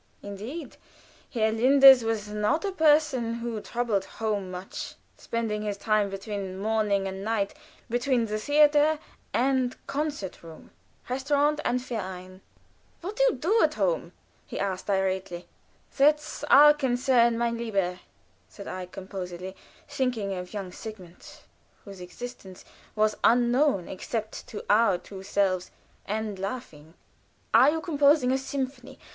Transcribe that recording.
Indeed, Herr Linders was not a person who troubled home much; spending his time between morning and night between the theater and concert room, restauration and verein. "What do you do at home?" he asked, irately. "That's our concern, mein lieber," said I, composedly, thinking of young Sigmund, whose existence was unknown except to our two selves, and laughing. "Are you composing a symphony?